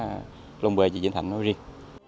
và của hai xã long b và vinh thạnh nói riêng